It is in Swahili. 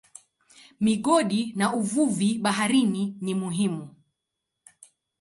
Migodi na uvuvi baharini ni muhimu.